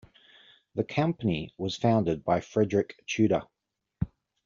The company was founded by Frederic Tudor.